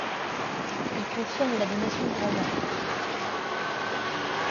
Il confirme la donation royale.